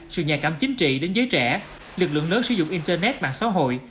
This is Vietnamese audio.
sự nhà cảm chính trị đến giới trẻ lực lượng lớn sử dụng internet bằng xã hội